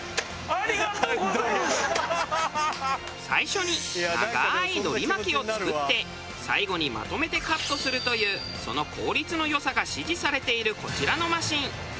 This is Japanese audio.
最初に長ーい海苔巻きを作って最後にまとめてカットするというその効率の良さが支持されているこちらのマシン。